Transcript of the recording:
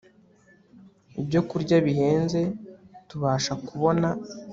ibyokurya bihenze Tubasha kubona